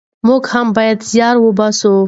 موږ هم بايد زيار وباسو.